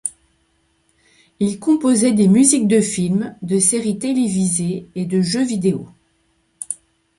Il composait des musiques de films, de séries télévisées, et de jeux vidéo.